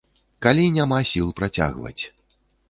Калі няма сіл працягваць.